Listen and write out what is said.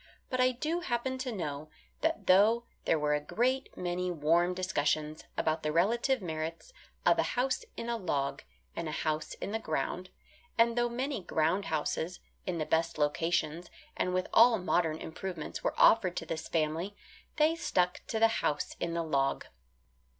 But I do happen to know that though there were a great many warm discussions about the relative merits of a house in a log, and a house in the ground, and though many ground houses in the best locations and with all modern improvements were offered to this family, they stuck to the house in the log.